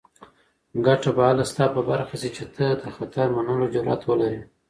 ګټه به هله ستا په برخه شي چې ته د خطر منلو جرات ولرې.